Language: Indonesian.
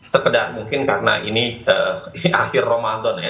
sekedar mungkin karena ini akhir ramadan ya